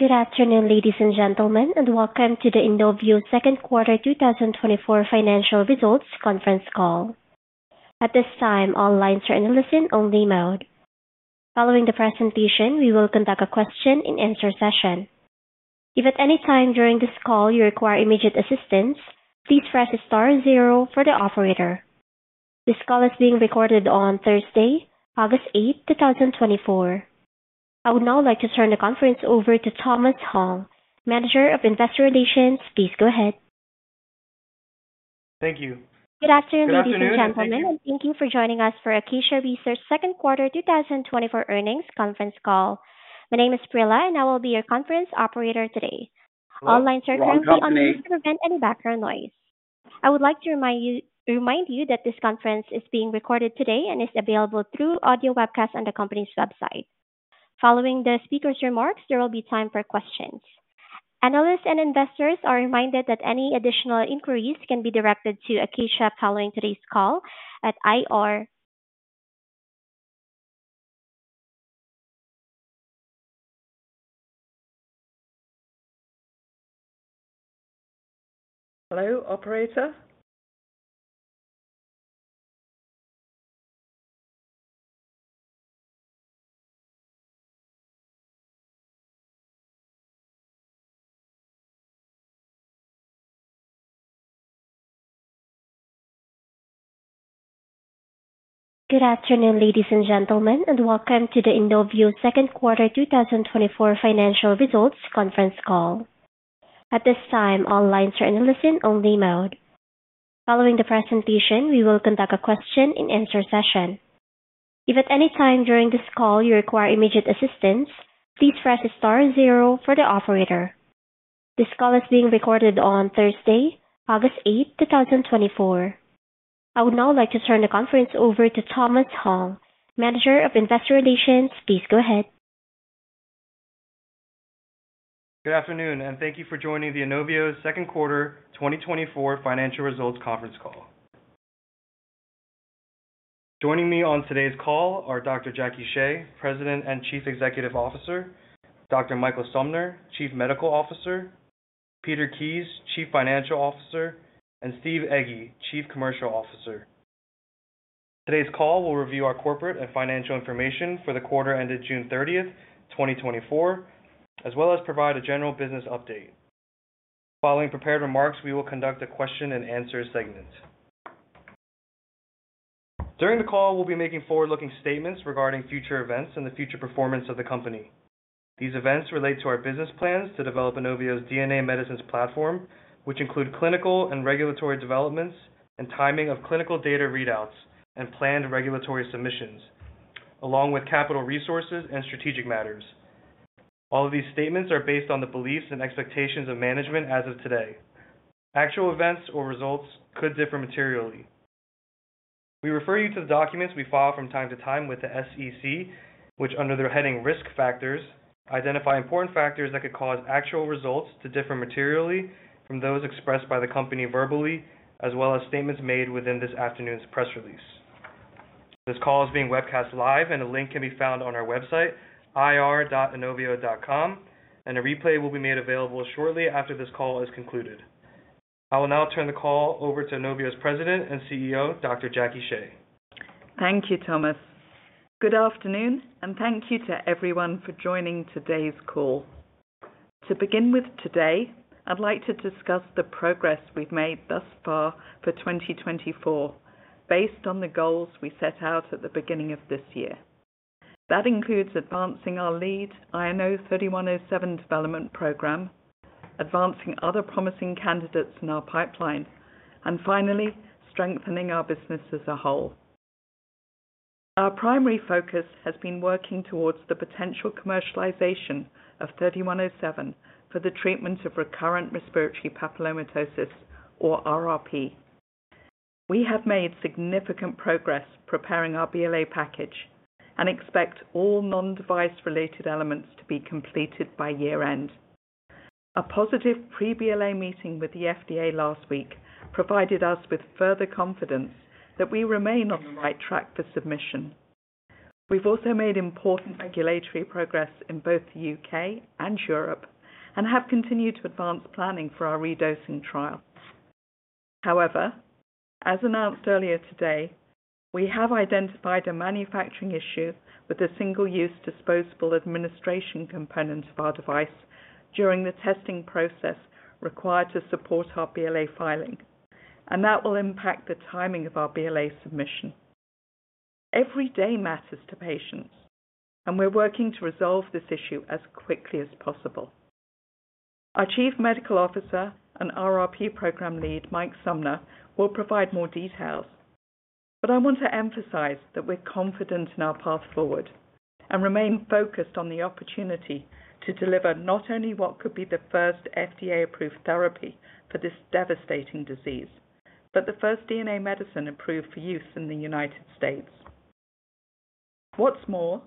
Good afternoon, ladies and gentlemen, and welcome to the Inovio second quarter 2024 financial results conference call. At this time, all lines are in listen only mode. Following the presentation, we will conduct a question-and-answer session. If at any time during this call you require immediate assistance, please press star zero for the operator. This call is being recorded on Thursday, August 8, 2024. I would now like to turn the conference over to Thomas Hong, Manager of Investor Relations. Please go ahead. Thank you. Good afternoon, ladies and gentlemen. Thank you for joining us for Inovio Pharmaceuticals' second quarter 2024 earnings conference call. My name is Prilla, and I will be your conference operator today. All lines are currently on to prevent any background noise. I would like to remind you, remind you that this conference is being recorded today and is available through audio webcast on the company's website. Following the speaker's remarks, there will be time for questions. Analysts and investors are reminded that any additional inquiries can be directed to Inovio following today's call at IR. Hello, operator. Good afternoon, ladies and gentlemen, and welcome to the Inovio second quarter 2024 financial results conference call. At this time, all lines are in listen-only mode. Following the presentation, we will conduct a question-and-answer session. If at any time during this call you require immediate assistance, please press star zero for the operator. This call is being recorded on Thursday, August 8, 2024. I would now like to turn the conference over to Thomas Hong, Manager of Investor Relations. Please go ahead. Good afternoon, and thank you for joining the Inovio second quarter 2024 financial results conference call. Joining me on today's call are Dr. Jacque Shea, President and Chief Executive Officer, Dr. Michael Sumner, Chief Medical Officer, Peter Kies, Chief Financial Officer, and Steve Egge, Chief Commercial Officer. Today's call will review our corporate and financial information for the quarter ended June 30, 2024, as well as provide a general business update. Following prepared remarks, we will conduct a question-and-answer segment. During the call, we'll be making forward-looking statements regarding future events and the future performance of the company. These events relate to our business plans to develop Inovio's DNA medicines platform, which include clinical and regulatory developments and timing of clinical data readouts and planned regulatory submissions, along with capital resources and strategic matters. All of these statements are based on the beliefs and expectations of management as of today. Actual events or results could differ materially. We refer you to the documents we file from time to time with the SEC, which, under the heading Risk Factors, identify important factors that could cause actual results to differ materially from those expressed by the company verbally, as well as statements made within this afternoon's press release. This call is being webcast live and a link can be found on our website, ir.inovio.com, and a replay will be made available shortly after this call is concluded. I will now turn the call over to Inovio's President and CEO, Dr. Jacque Shea. Thank you, Thomas. Good afternoon, and thank you to everyone for joining today's call. To begin with today, I'd like to discuss the progress we've made thus far for 2024, based on the goals we set out at the beginning of this year. That includes advancing our lead INO-3107 development program, advancing other promising candidates in our pipeline, and finally, strengthening our business as a whole. Our primary focus has been working towards the potential commercialization of INO-3107 for the treatment of recurrent respiratory papillomatosis or RRP. We have made significant progress preparing our BLA package and expect all non-device related elements to be completed by year-end. A positive pre-BLA meeting with the FDA last week provided us with further confidence that we remain on the right track for submission. We've also made important regulatory progress in both the U.K. and Europe and have continued to advance planning for our redosing trial. However, as announced earlier today, we have identified a manufacturing issue with the single-use disposable administration component of our device during the testing process required to support our BLA filing, and that will impact the timing of our BLA submission. Every day matters to patients, and we're working to resolve this issue as quickly as possible. Our Chief Medical Officer and RRP program lead, Mike Sumner, will provide more details. But I want to emphasize that we're confident in our path forward and remain focused on the opportunity to deliver not only what could be the first FDA-approved therapy for this devastating disease, but the first DNA medicine approved for use in the United States. What's more,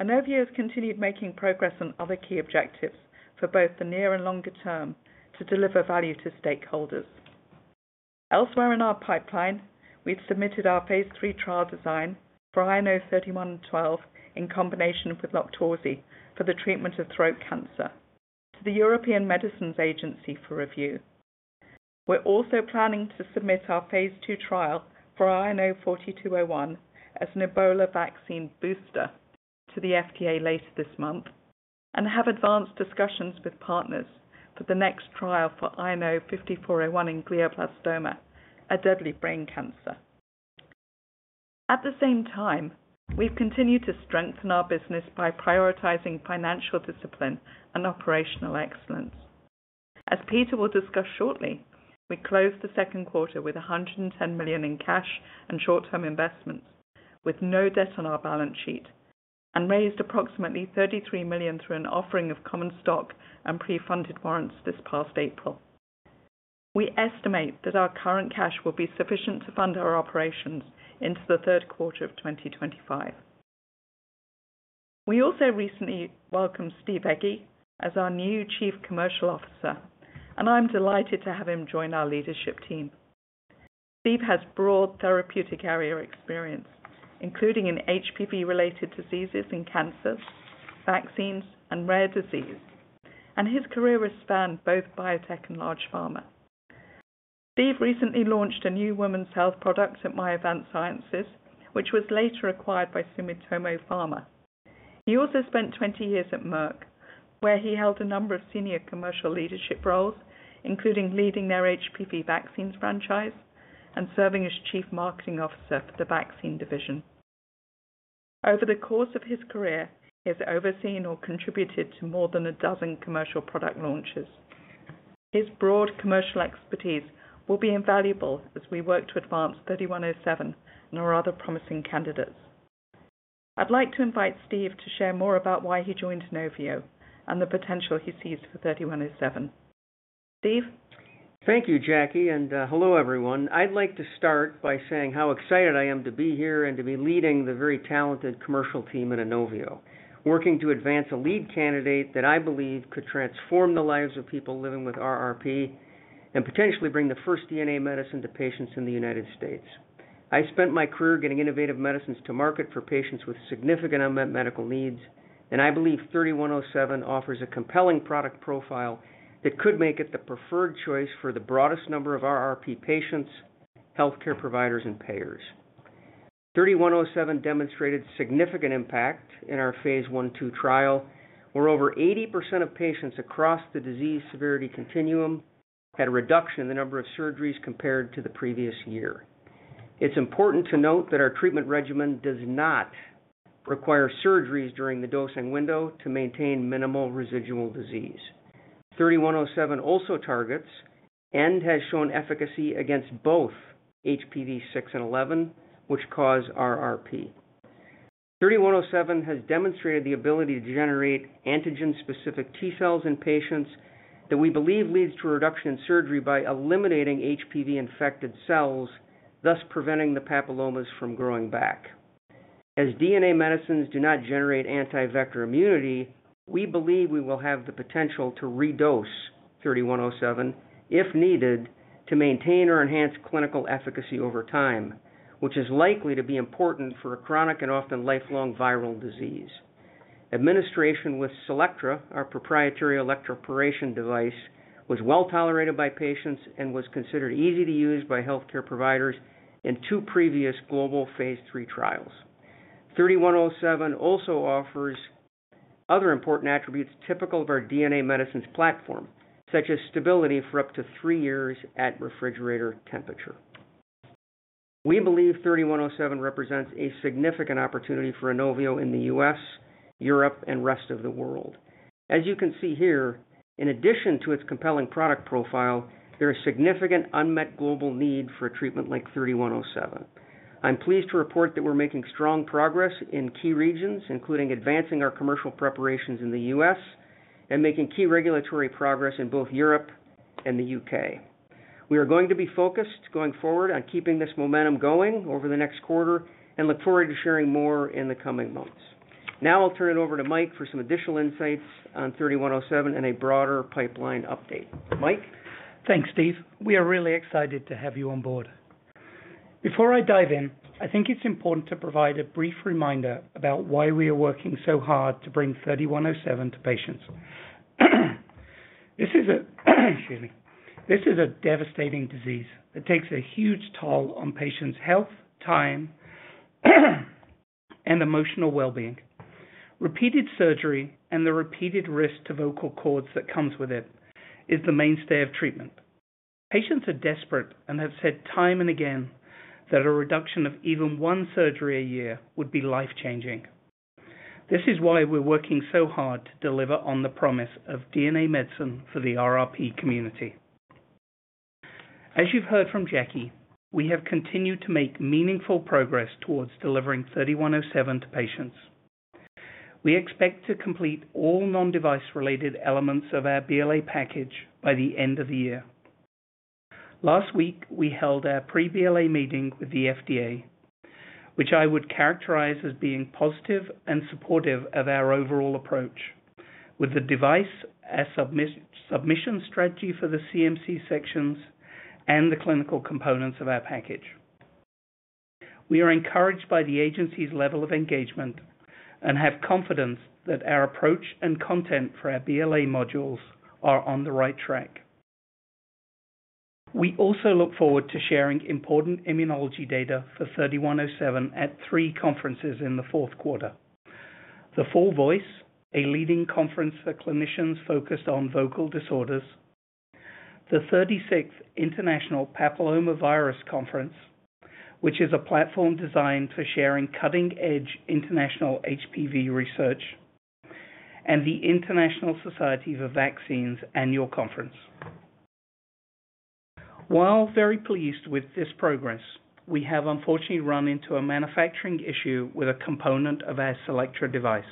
Inovio has continued making progress on other key objectives for both the near and longer term to deliver value to stakeholders. Elsewhere in our pipeline, we've submitted our phase III trial design for INO-3112 in combination with LOQTORZI for the treatment of throat cancer to the European Medicines Agency for review. We're also planning to submit our phase II trial for INO-4201 as an Ebola vaccine booster to the FDA later this month, and have advanced discussions with partners for the next trial for INO-5401 in glioblastoma, a deadly brain cancer. At the same time, we've continued to strengthen our business by prioritizing financial discipline and operational excellence. As Peter will discuss shortly, we closed the second quarter with $110 million in cash and short-term investments, with no debt on our balance sheet, and raised approximately $33 million through an offering of common stock and pre-funded warrants this past April. We estimate that our current cash will be sufficient to fund our operations into the third quarter of 2025. We also recently welcomed Steve Egge as our new Chief Commercial Officer, and I'm delighted to have him join our leadership team. Steve has broad therapeutic area experience, including in HPV-related diseases and cancers, vaccines, and rare disease, and his career has spanned both biotech and large pharma. Steve recently launched a new women's health product at Myovant Sciences, which was later acquired by Sumitomo Pharma. He also spent 20 years at Merck, where he held a number of senior commercial leadership roles, including leading their HPV vaccines franchise and serving as chief marketing officer for the vaccine division. Over the course of his career, he has overseen or contributed to more than a dozen commercial product launches. His broad commercial expertise will be invaluable as we work to advance INO-3107 and our other promising candidates. I'd like to invite Steve to share more about why he joined Inovio and the potential he sees for INO-3107. Steve? Thank you, Jacque, and hello, everyone. I'd like to start by saying how excited I am to be here and to be leading the very talented commercial team at Inovio. Working to advance a lead candidate that I believe could transform the lives of people living with RRP, and potentially bring the first DNA medicine to patients in the United States. I spent my career getting innovative medicines to market for patients with significant unmet medical needs, and I believe INO-3107 offers a compelling product profile that could make it the preferred choice for the broadest number of RRP patients, healthcare providers, and payers. INO-3107 demonstrated significant impact in our phase I/II trial, where over 80% of patients across the disease severity continuum had a reduction in the number of surgeries compared to the previous year. It's important to note that our treatment regimen does not require surgeries during the dosing window to maintain minimal residual disease. INO-3107 also targets and has shown efficacy against both HPV-6 and HPV-11, which cause RRP. INO-3107 has demonstrated the ability to generate antigen-specific T-cells in patients that we believe leads to a reduction in surgery by eliminating HPV-infected cells, thus preventing the papillomas from growing back. As DNA medicines do not generate anti-vector immunity, we believe we will have the potential to redose INO-3107, if needed, to maintain or enhance clinical efficacy over time, which is likely to be important for a chronic and often lifelong viral disease. Administration with CELLECTRA, our proprietary electroporation device, was well tolerated by patients and was considered easy to use by healthcare providers in two previous global phase III trials. INO-3107 also offers other important attributes typical of our DNA medicines platform, such as stability for up to three years at refrigerator temperature. We believe INO-3107 represents a significant opportunity for Inovio in the U.S., Europe, and rest of the world. As you can see here, in addition to its compelling product profile, there is significant unmet global need for a treatment like INO-3107. I'm pleased to report that we're making strong progress in key regions, including advancing our commercial preparations in the U.S. and making key regulatory progress in both Europe and the U.K.. We are going to be focused, going forward, on keeping this momentum going over the next quarter and look forward to sharing more in the coming months. Now I'll turn it over to Mike for some additional insights on INO-3107 and a broader pipeline update. Mike? Thanks, Steve. We are really excited to have you on board. Before I dive in, I think it's important to provide a brief reminder about why we are working so hard to bring INO-3107 to patients. This is a devastating disease that takes a huge toll on patients' health, time, and emotional well-being. Repeated surgery and the repeated risk to vocal cords that comes with it is the mainstay of treatment. Patients are desperate and have said time and again that a reduction of even one surgery a year would be life-changing. This is why we're working so hard to deliver on the promise of DNA medicine for the RRP community. As you've heard from Jackie, we have continued to make meaningful progress towards delivering INO-3107 to patients. We expect to complete all non-device-related elements of our BLA package by the end of the year. Last week, we held our pre-BLA meeting with the FDA, which I would characterize as being positive and supportive of our overall approach, with the device, a submission strategy for the CMC sections and the clinical components of our package. We are encouraged by the agency's level of engagement and have confidence that our approach and content for our BLA modules are on the right track. We also look forward to sharing important immunology data for 3107 at 3 conferences in the fourth quarter. The Full Voice, a leading conference for clinicians focused on vocal disorders, the 36th International Papillomavirus Conference, which is a platform designed for sharing cutting-edge international HPV research, and the International Society for Vaccines Annual Conference. While very pleased with this progress, we have unfortunately run into a manufacturing issue with a component of our CELLECTRA device,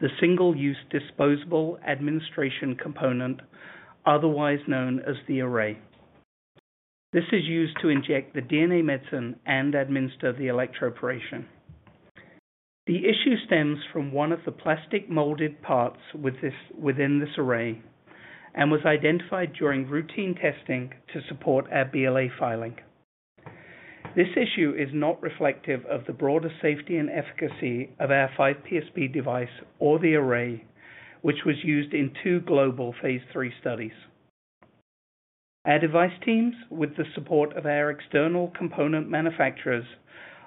the single-use disposable administration component, otherwise known as the array. This is used to inject the DNA medicine and administer the electroporation. The issue stems from one of the plastic molded parts within this array and was identified during routine testing to support our BLA filing. This issue is not reflective of the broader safety and efficacy of our CELLECTRA 5PSP device or the array, which was used in two global phase III studies. Our device teams, with the support of our external component manufacturers,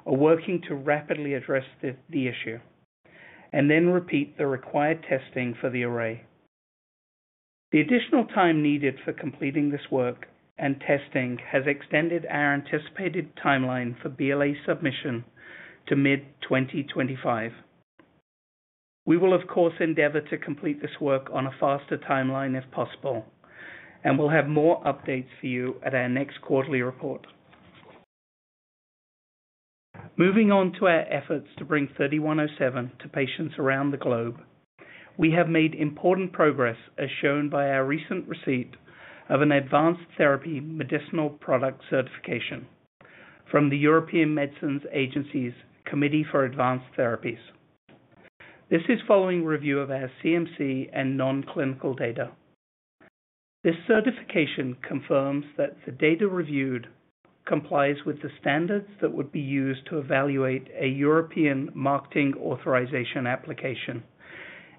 are working to rapidly address the issue, and then repeat the required testing for the array. The additional time needed for completing this work and testing has extended our anticipated timeline for BLA submission to mid-2025. We will, of course, endeavor to complete this work on a faster timeline, if possible, and we'll have more updates for you at our next quarterly report. Moving on to our efforts to bring 3107 to patients around the globe. We have made important progress, as shown by our recent receipt of an Advanced Therapy Medicinal Product certification from the European Medicines Agency's Committee for Advanced Therapies. This is following review of our CMC and non-clinical data. This certification confirms that the data reviewed complies with the standards that would be used to evaluate a European Marketing Authorization Application,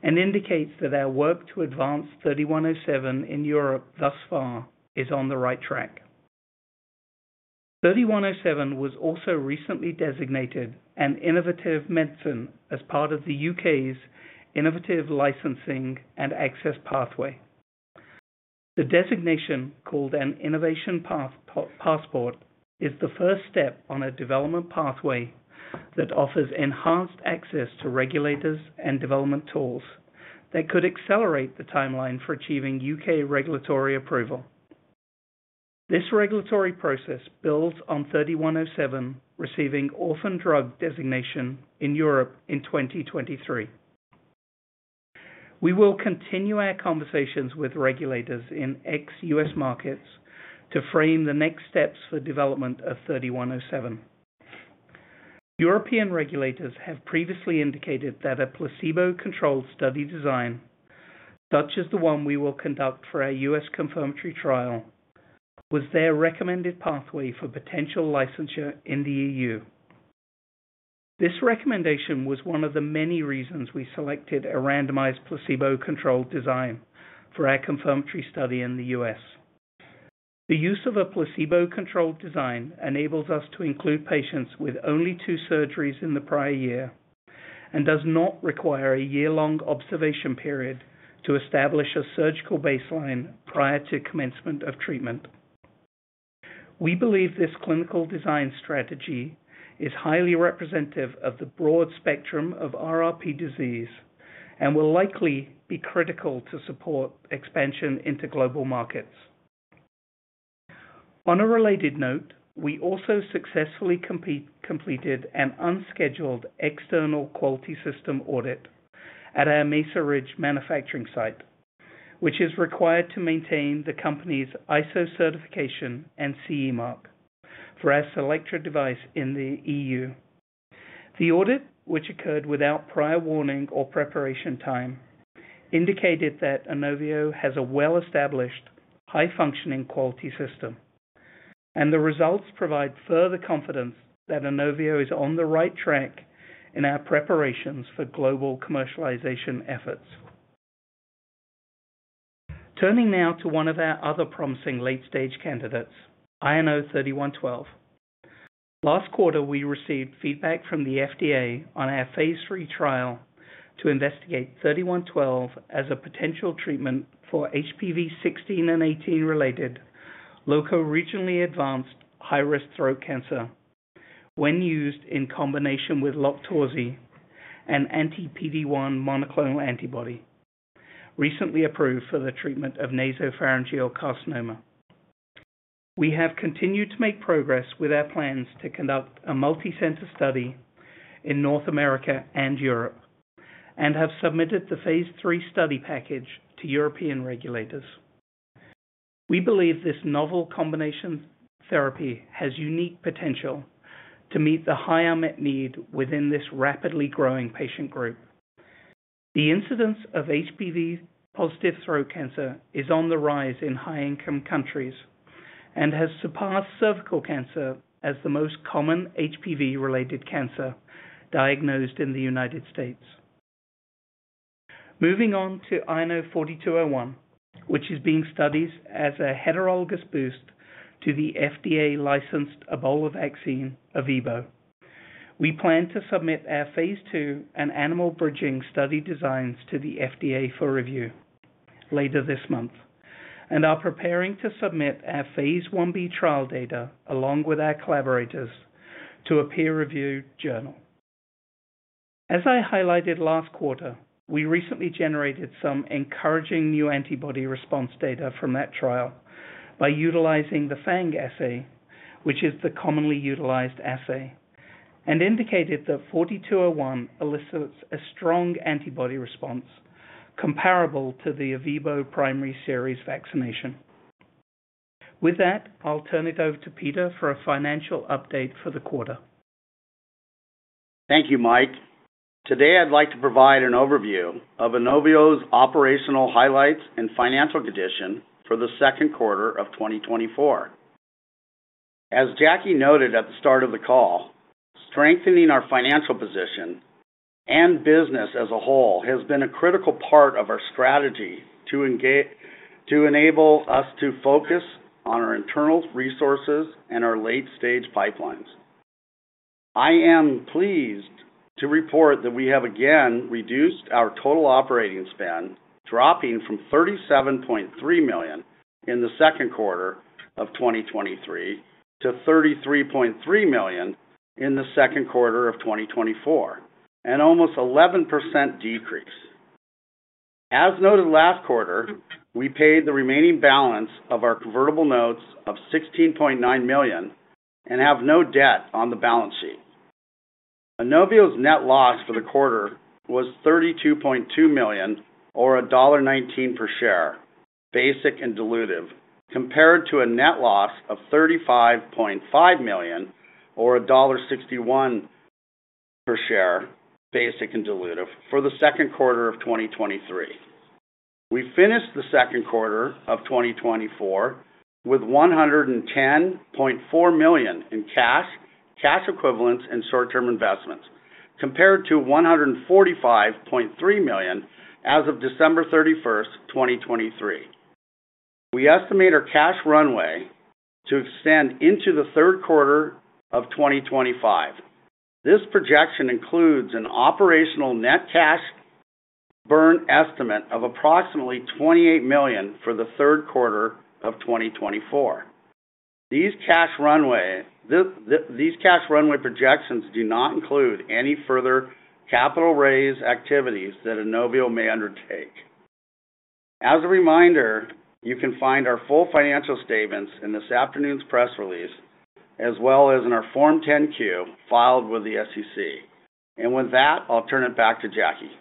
and indicates that our work to advance 3107 in Europe thus far is on the right track. 3107 was also recently designated an innovative medicine as part of the U.K's. Innovative Licensing and Access Pathway. The designation, called an Innovation Passport, is the first step on a development pathway that offers enhanced access to regulators and development tools that could accelerate the timeline for achieving U.K. regulatory approval. This regulatory process builds on 3107, receiving Orphan Drug Designation in Europe in 2023. We will continue our conversations with regulators in ex-U.S. markets to frame the next steps for development of 3107. European regulators have previously indicated that a placebo-controlled study design, such as the one we will conduct for our U.S. confirmatory trial, was their recommended pathway for potential licensure in the E.U. This recommendation was one of the many reasons we selected a randomized placebo-controlled design for our confirmatory study in the U.S. The use of a placebo-controlled design enables us to include patients with only two surgeries in the prior year and does not require a year-long observation period to establish a surgical baseline prior to commencement of treatment. We believe this clinical design strategy is highly representative of the broad spectrum of RRP disease and will likely be critical to support expansion into global markets. On a related note, we also successfully completed an unscheduled external quality system audit at our Mesa Ridge manufacturing site, which is required to maintain the company's ISO certification and CE mark for our CELLECTRA device in the EU. The audit, which occurred without prior warning or preparation time, indicated that Inovio has a well-established, high-functioning quality system, and the results provide further confidence that Inovio is on the right track in our preparations for global commercialization efforts. Turning now to one of our other promising late-stage candidates, INO-3112. Last quarter, we received feedback from the FDA on our Phase III trial to investigate 3112 as a potential treatment for HPV-16 and 18-related locoregionally advanced high-risk throat cancer when used in combination with LOQTORZI, an anti-PD-1 monoclonal antibody, recently approved for the treatment of nasopharyngeal carcinoma. We have continued to make progress with our plans to conduct a multicenter study in North America and Europe, and have submitted the Phase III study package to European regulators. We believe this novel combination therapy has unique potential to meet the high unmet need within this rapidly growing patient group. The incidence of HPV-positive throat cancer is on the rise in high-income countries and has surpassed cervical cancer as the most common HPV-related cancer diagnosed in the United States. Moving on to INO-4201, which is being studied as a heterologous boost to the FDA-licensed Ebola vaccine, ERVEBO. We plan to submit our phase II and animal bridging study designs to the FDA for review later this month, and are preparing to submit our phase 1B trial data, along with our collaborators, to a peer review journal. As I highlighted last quarter, we recently generated some encouraging new antibody response data from that trial by utilizing the FANG assay, which is the commonly utilized assay, and indicated that 4201 elicits a strong antibody response comparable to the ERVEBO primary series vaccination. With that, I'll turn it over to Peter for a financial update for the quarter. Thank you, Mike. Today, I'd like to provide an overview of Inovio's operational highlights and financial condition for the second quarter of 2024. As Jackie noted at the start of the call, strengthening our financial position and business as a whole has been a critical part of our strategy to enable us to focus on our internal resources and our late-stage pipelines. I am pleased to report that we have again reduced our total operating spend, dropping from $37.3 million in the second quarter of 2023 to $33.3 million in the second quarter of 2024, an almost 11% decrease. As noted last quarter, we paid the remaining balance of our convertible notes of $16.9 million and have no debt on the balance sheet. Inovio's net loss for the quarter was $32.2 million, or $1.19 per share, basic and dilutive, compared to a net loss of $35.5 million, or $1.61 per share, basic and dilutive, for the second quarter of 2023. We finished the second quarter of 2024 with $110.4 million in cash, cash equivalents and short-term investments, compared to $145.3 million as of December 31, 2023. We estimate our cash runway to extend into the third quarter of 2025. This projection includes an operational net cash burn estimate of approximately $28 million for the third quarter of 2024. These cash runway projections do not include any further capital raise activities that Inovio may undertake. As a reminder, you can find our full financial statements in this afternoon's press release, as well as in our Form 10-Q, filed with the SEC. With that, I'll turn it back to Jackie.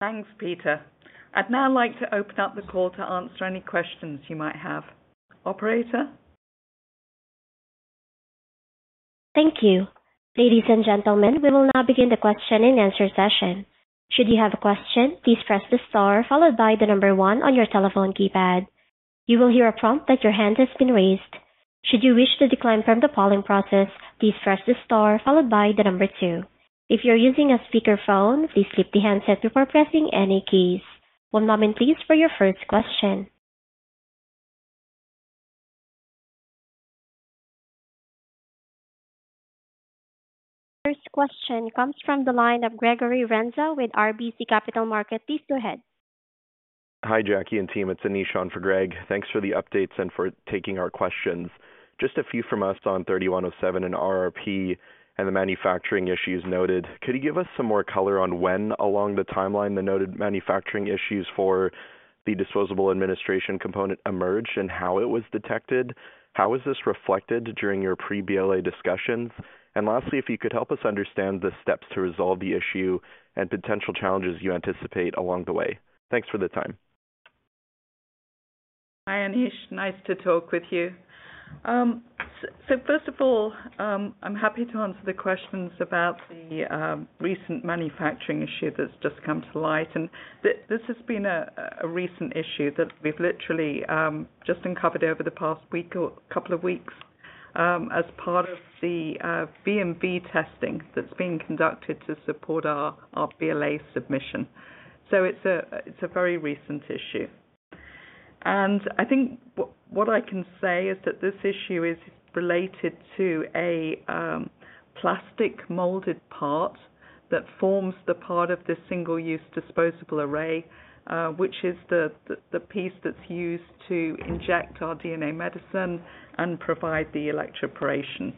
Thanks, Peter. I'd now like to open up the call to answer any questions you might have. Operator? Thank you. Ladies and gentlemen, we will now begin the question-and-answer session. Should you have a question, please press the star followed by the number 1 on your telephone keypad. You will hear a prompt that your hand has been raised. Should you wish to decline from the polling process, please press the star followed by the number 2. If you're using a speakerphone, please pick up the handset before pressing any keys. One moment, please, for your first question. First question comes from the line of Gregory Renza with RBC Capital Markets. Please go ahead. Hi, Jackie and team. It's Anish on for Greg. Thanks for the updates and for taking our questions. Just a few from us on 3107 and RRP and the manufacturing issues noted. Could you give us some more color on when along the timeline, the noted manufacturing issues for the disposable administration component emerged and how it was detected? How is this reflected during your pre-BLA discussions? And lastly, if you could help us understand the steps to resolve the issue and potential challenges you anticipate along the way. Thanks for the time. Hi, Anish. Nice to talk with you. So first of all, I'm happy to answer the questions about the recent manufacturing issue that's just come to light. This has been a recent issue that we've literally just uncovered over the past week or couple of weeks, as part of the V&V testing that's being conducted to support our BLA submission. So it's a very recent issue. And I think what I can say is that this issue is related to a plastic molded part that forms the part of the single-use disposable array, which is the piece that's used to inject our DNA medicine and provide the electroporation.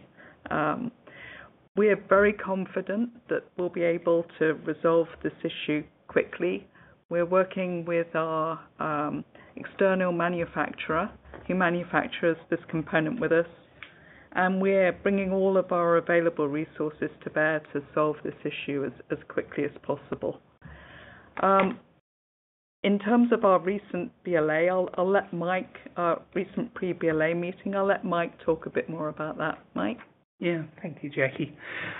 We are very confident that we'll be able to resolve this issue quickly. We're working with our external manufacturer, who manufactures this component with us. We're bringing all of our available resources to bear to solve this issue as quickly as possible. In terms of our recent pre-BLA meeting, I'll let Mike talk a bit more about that. Mike? Yeah. Thank you, Jackie.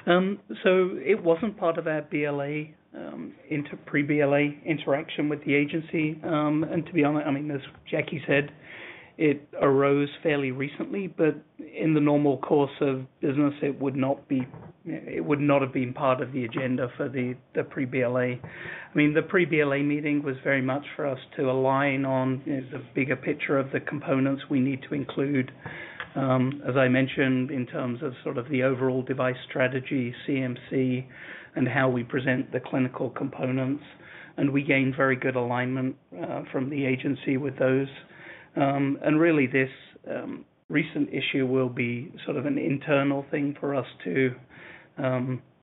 So it wasn't part of our BLA, pre-BLA interaction with the agency. And to be honest, I mean, as Jackie said, it arose fairly recently, but in the normal course of business, it would not be- it would not have been part of the agenda for the pre-BLA. I mean, the pre-BLA meeting was very much for us to align on, you know, the bigger picture of the components we need to include, as I mentioned, in terms of sort of the overall device strategy, CMC, and how we present the clinical components, and we gained very good alignment from the agency with those. And really, this recent issue will be sort of an internal thing for us to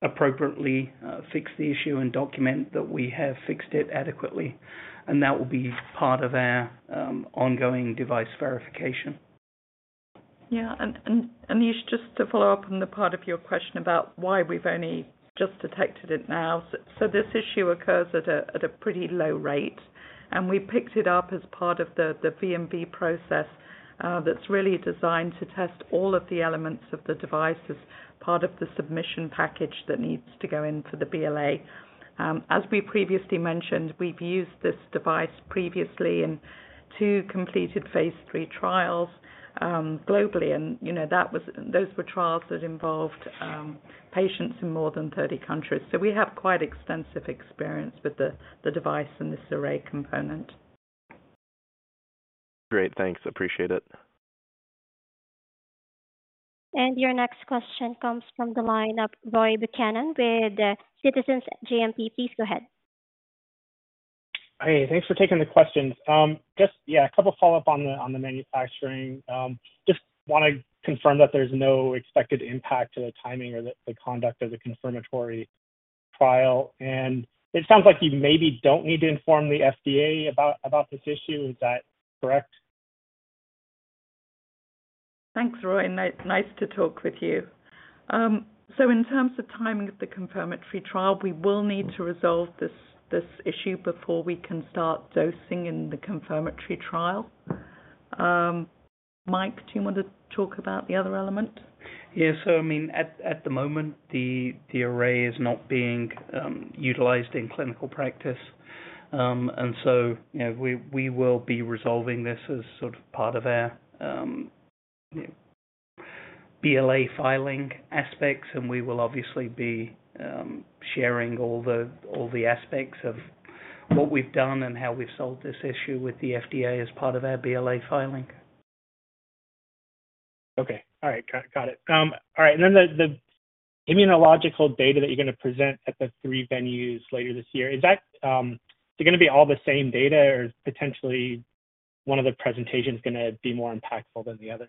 appropriately fix the issue and document that we have fixed it adequately, and that will be part of our ongoing device verification. Yeah, and, and Anish, just to follow up on the part of your question about why we've only just detected it now. So this issue occurs at a pretty low rate, and we picked it up as part of the V&V process that's really designed to test all of the elements of the device as part of the submission package that needs to go in for the BLA. As we previously mentioned, we've used this device previously in two completed phase III trials, globally, and, you know, that was. Those were trials that involved patients in more than 30 countries. So we have quite extensive experience with the device and this array component. Great, thanks. Appreciate it. Your next question comes from the line of Roy Buchanan with Citizens JMP. Please go ahead. Hey, thanks for taking the questions. Just, yeah, a couple follow-up on the manufacturing. Just want to confirm that there's no expected impact to the timing or the conduct of the confirmatory trial. And it sounds like you maybe don't need to inform the FDA about this issue. Is that correct? Thanks, Roy. Nice to talk with you. So in terms of timing of the confirmatory trial, we will need to resolve this, this issue before we can start dosing in the confirmatory trial. Mike, do you want to talk about the other element? Yeah. So I mean, at the moment, the array is not being utilized in clinical practice. And so, you know, we will be resolving this as sort of part of our BLA filing aspects, and we will obviously be sharing all the aspects of what we've done and how we've solved this issue with the FDA as part of our BLA filing. Okay. All right. Got it. All right, and then the immunological data that you're gonna present at the three venues later this year, is that they're gonna be all the same data, or is potentially one of the presentations gonna be more impactful than the others?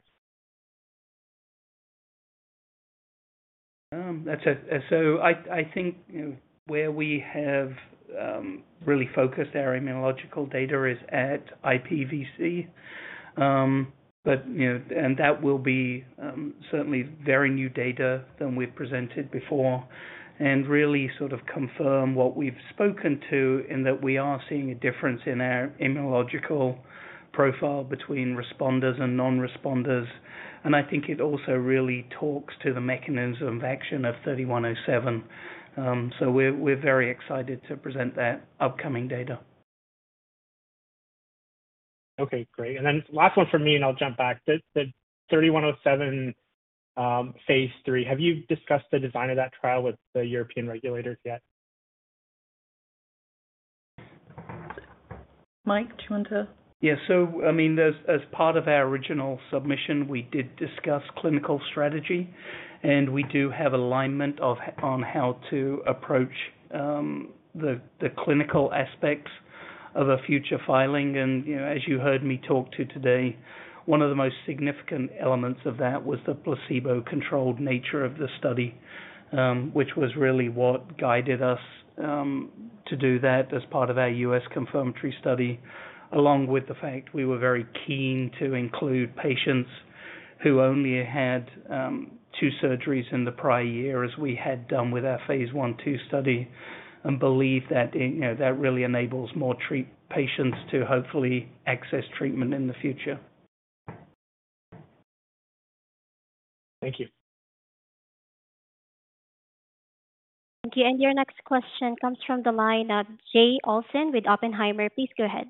So I think, you know, where we have really focused our immunological data is at IPVC. But, you know, and that will be certainly very new data than we've presented before and really sort of confirm what we've spoken to, in that we are seeing a difference in our immunological profile between responders and non-responders. And I think it also really talks to the mechanism of action of INO-3107. So we're very excited to present that upcoming data. Okay, great. And then last one from me, and I'll jump back. The INO-3107 phase III, have you discussed the design of that trial with the European regulators yet? Yeah. So I mean, as part of our original submission, we did discuss clinical strategy, and we do have alignment on how to approach the clinical aspects of a future filing. And, you know, as you heard me talk to today, one of the most significant elements of that was the placebo-controlled nature of the study, which was really what guided us to do that as part of our U.S. confirmatory study. Along with the fact we were very keen to include patients who only had 2 surgeries in the prior year, as we had done with our phase I/II study, and believe that, you know, that really enables more patients to hopefully access treatment in the future. Thank you. Thank you, and your next question comes from the line of Jay Olson with Oppenheimer. Please go ahead.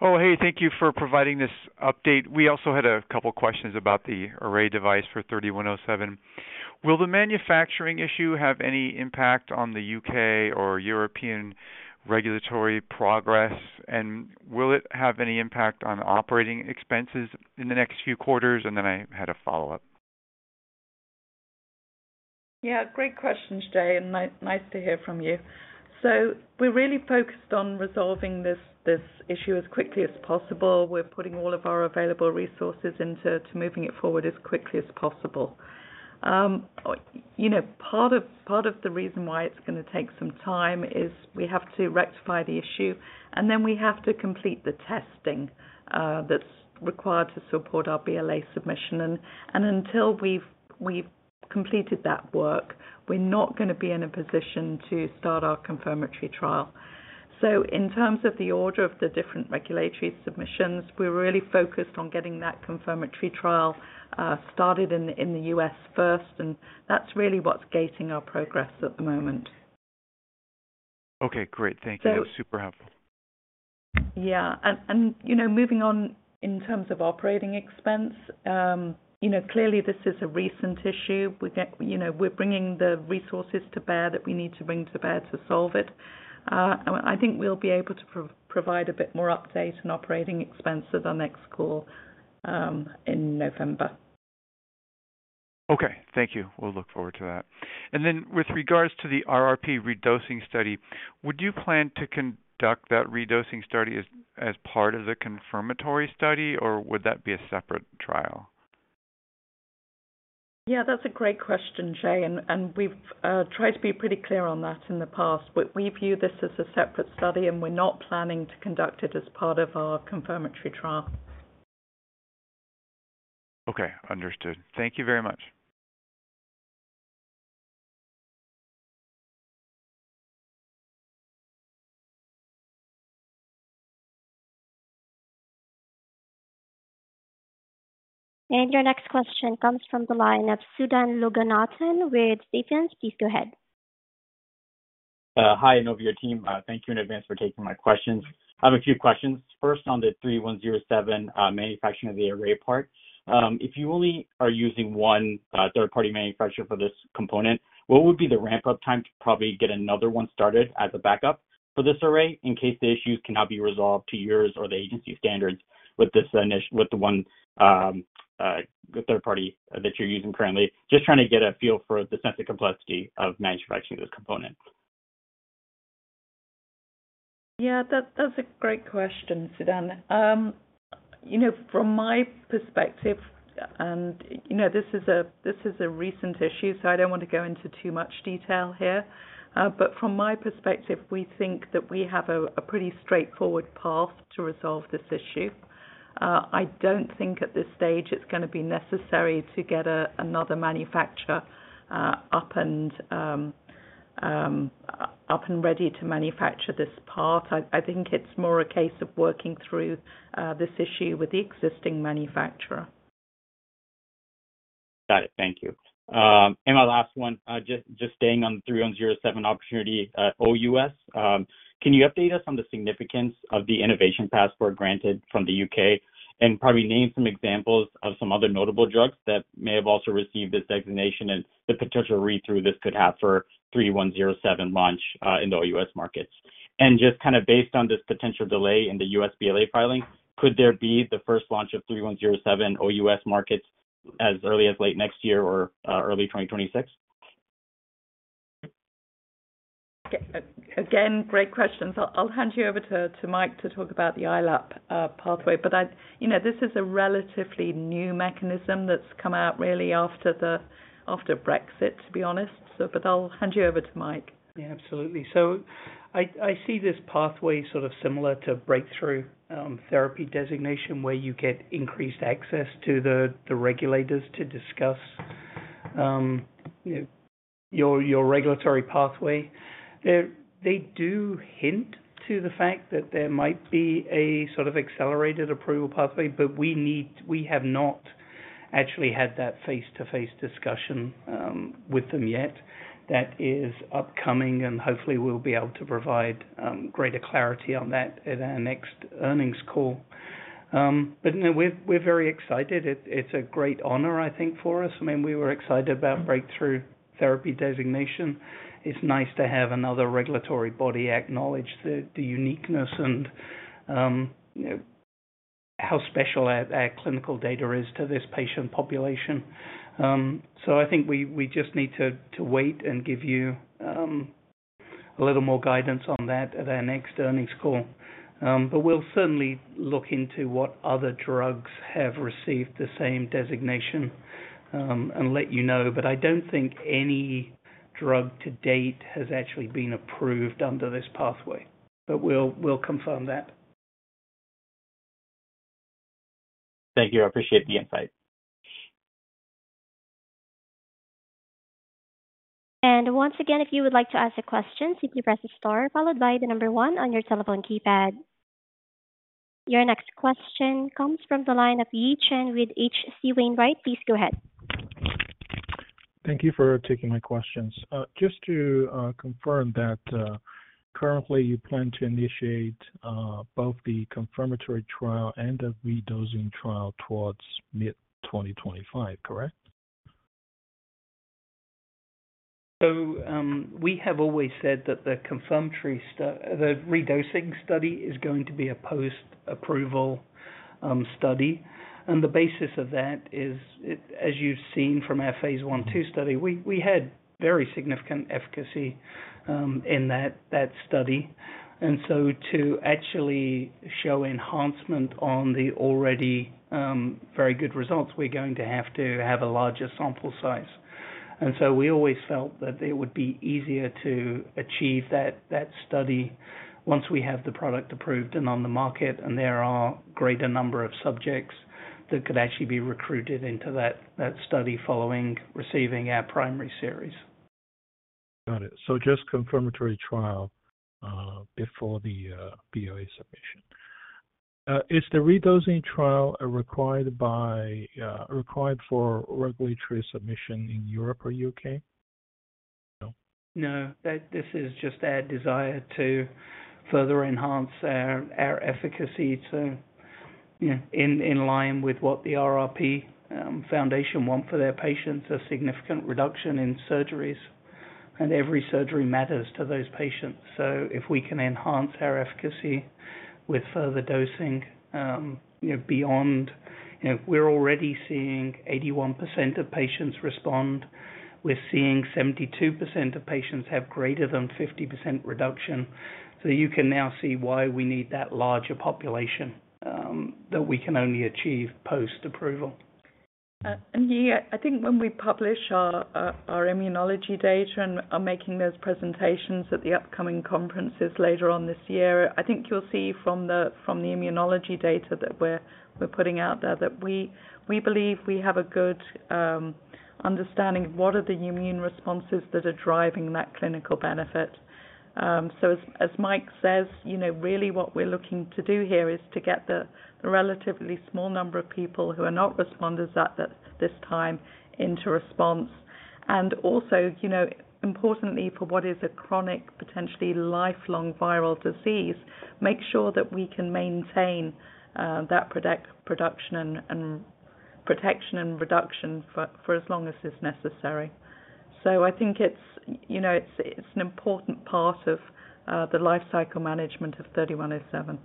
Oh, hey, thank you for providing this update. We also had a couple questions about the array device for INO-3107. Will the manufacturing issue have any impact on the U.K. or European regulatory progress? And will it have any impact on operating expenses in the next few quarters? And then I had a follow-up. Yeah, great questions, Jay, and nice to hear from you. So we're really focused on resolving this issue as quickly as possible. We're putting all of our available resources into moving it forward as quickly as possible. You know, part of the reason why it's gonna take some time is we have to rectify the issue, and then we have to complete the testing that's required to support our BLA submission. And until we've completed that work, we're not gonna be in a position to start our confirmatory trial. So in terms of the order of the different regulatory submissions, we're really focused on getting that confirmatory trial started in the U.S. first, and that's really what's gating our progress at the moment. Okay, great. Thank you. That was super helpful. Yeah. And, you know, moving on in terms of operating expense, you know, clearly this is a recent issue. We're bringing the resources to bear that we need to bring to bear to solve it. I think we'll be able to provide a bit more update on operating expense at our next call, in November. Okay. Thank you. We'll look forward to that. And then, with regards to the RRP redosing study, would you plan to conduct that redosing study as part of the confirmatory study, or would that be a separate trial? Yeah, that's a great question, Jay, and we've tried to be pretty clear on that in the past. But we view this as a separate study, and we're not planning to conduct it as part of our confirmatory trial. Okay, understood. Thank you very much. Your next question comes from the line of Sudhan Loganathan with Jefferies. Please go ahead. Hi, Inovio team. Thank you in advance for taking my questions. I have a few questions. First, on the INO-3107 manufacturing of the array part. If you only are using one third-party manufacturer for this component, what would be the ramp-up time to probably get another one started as a backup for this array, in case the issues cannot be resolved to yours or the agency's standards with the one, the third party that you're using currently? Just trying to get a feel for the sense of complexity of manufacturing this component. Yeah, that's a great question, Sudhan. You know, from my perspective, and, you know, this is a recent issue, so I don't want to go into too much detail here. But from my perspective, we think that we have a pretty straightforward path to resolve this issue. I don't think at this stage it's gonna be necessary to get another manufacturer up and ready to manufacture this part. I think it's more a case of working through this issue with the existing manufacturer. Got it. Thank you. And my last one, just, just staying on the 3107 opportunity, OUS. Can you update us on the significance of the Innovation Passport granted from the U.K.? And probably name some examples of some other notable drugs that may have also received this designation and the potential read-through this could have for 3107 launch, in the OUS markets. And just kind of based on this potential delay in the U.S. BLA filing, could there be the first launch of 3107 OUS markets as early as late next year or, early 2026? Again, great questions. I'll hand you over to Mike to talk about the ILAP pathway. But I. You know, this is a relatively new mechanism that's come out really after Brexit, to be honest, so but I'll hand you over to Mike. Yeah, absolutely. So I see this pathway sort of similar to breakthrough therapy designation, where you get increased access to the regulators to discuss you know, your regulatory pathway. They do hint to the fact that there might be a sort of accelerated approval pathway, but we have not actually had that face-to-face discussion with them yet. That is upcoming, and hopefully, we'll be able to provide greater clarity on that at our next earnings call. But, you know, we're very excited. It's a great honor, I think, for us. I mean, we were excited about breakthrough therapy designation. It's nice to have another regulatory body acknowledge the uniqueness and you know, how special our clinical data is to this patient population. So I think we just need to wait and give you a little more guidance on that at our next earnings call. But we'll certainly look into what other drugs have received the same designation, and let you know. But I don't think any drug to date has actually been approved under this pathway. But we'll confirm that. Thank you. I appreciate the insight. Once again, if you would like to ask a question, simply press star followed by the number one on your telephone keypad. Your next question comes from the line of Yi Chen with H.C. Wainwright. Please go ahead. Thank you for taking my questions. Just to confirm that currently you plan to initiate both the confirmatory trial and a redosing trial towards mid-2025, correct? So, we have always said that the confirmatory study, the redosing study, is going to be a post-approval study. And the basis of that is, as you've seen from our phase I/II study, we had very significant efficacy in that study. And so to actually show enhancement on the already very good results, we're going to have to have a larger sample size. And so we always felt that it would be easier to achieve that study once we have the product approved and on the market, and there are a greater number of subjects that could actually be recruited into that study following receiving our primary series. Got it. So just confirmatory trial before the BLA submission. Is the redosing trial required for regulatory submission in Europe or U.K.? No. No. This is just our desire to further enhance our efficacy to, you know, in line with what the RRP foundation want for their patients, a significant reduction in surgeries, and every surgery matters to those patients. So if we can enhance our efficacy with further dosing, you know, beyond. You know, we're already seeing 81% of patients respond. We're seeing 72% of patients have greater than 50% reduction. So you can now see why we need that larger population, that we can only achieve post-approval. And yeah, I think when we publish our immunology data and are making those presentations at the upcoming conferences later on this year, I think you'll see from the immunology data that we're putting out there, that we believe we have a good understanding of what are the immune responses that are driving that clinical benefit. So as Mike says, you know, really what we're looking to do here is to get the relatively small number of people who are not responders at this time into response. And also, you know, importantly, for what is a chronic, potentially lifelong viral disease, make sure that we can maintain that production and protection and reduction for as long as it's necessary. So I think it's, you know, it's, it's an important part of the life cycle management of 3107.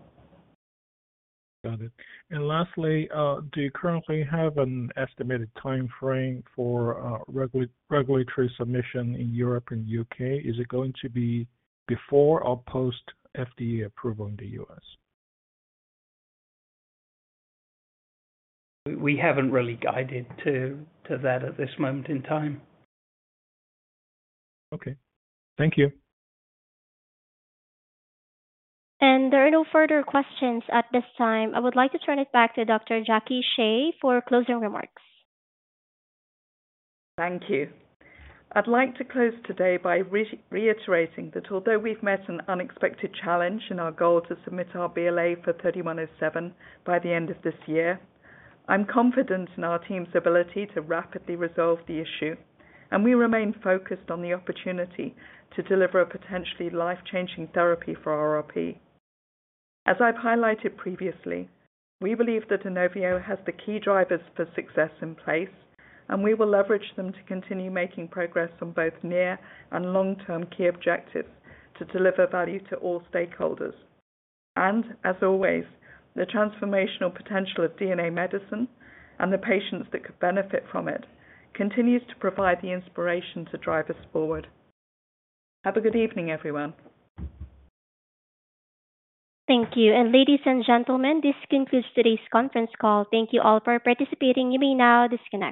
Got it. And lastly, do you currently have an estimated timeframe for regulatory submission in Europe and U.K.? Is it going to be before or post FDA approval in the U.S.? We haven't really guided to that at this moment in time. Okay. Thank you. There are no further questions at this time. I would like to turn it back to Dr. Jacque Shea for closing remarks. Thank you. I'd like to close today by reiterating that although we've met an unexpected challenge in our goal to submit our BLA for 3107, by the end of this year, I'm confident in our team's ability to rapidly resolve the issue, and we remain focused on the opportunity to deliver a potentially life-changing therapy for RRP. As I've highlighted previously, we believe that Inovio has the key drivers for success in place, and we will leverage them to continue making progress on both near and long-term key objectives to deliver value to all stakeholders. And as always, the transformational potential of DNA medicine and the patients that could benefit from it, continues to provide the inspiration to drive us forward. Have a good evening, everyone. Thank you. Ladies and gentlemen, this concludes today's conference call. Thank you all for participating. You may now disconnect.